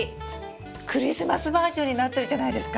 クリスマスバージョンになってるじゃないですか！